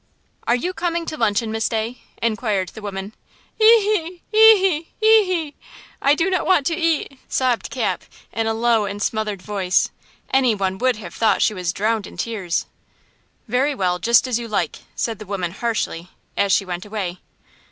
"Are you coming to luncheon, Miss Day?" inquired the woman. "Ee–hee! Ee–hee! Ee–hee! I do not want to eat," sobbed Cap, in a low and smothered voice. Any one would have thought she was drowned in tears. "Very well; just as you like," said the woman harshly, as she went away.